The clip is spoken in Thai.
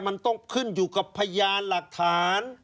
มันต้องขึ้นอยู่กับพยานหลักฐาน